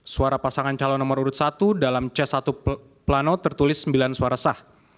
suara pasangan calon nomor urut satu dalam c satu plano tertulis sembilan suara sah